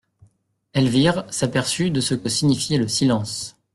Elvire s'aperçut de ce que signifiait le silence.